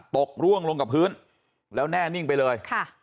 กร่วงลงกับพื้นแล้วแน่นิ่งไปเลย